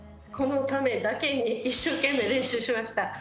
このためだけに一生懸命練習しました。